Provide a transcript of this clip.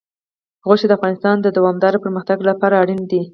غوښې د افغانستان د دوامداره پرمختګ لپاره اړین دي.